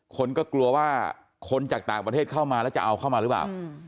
คนก็กลัวว่าคนจากต่างประเทศเข้ามาแล้วจะเอาเข้ามาหรือเปล่า